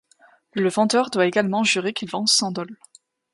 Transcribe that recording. Le vendeur doit également jurer qu’il vend sans dol.